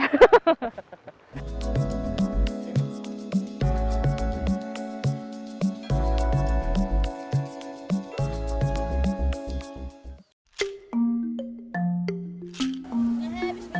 oh bener juga